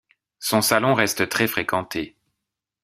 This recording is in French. Son salon reste très fréquenté.